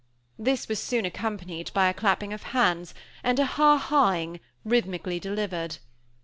This was soon accompanied by a clapping of hands and a ha ha ing, rhythmically delivered.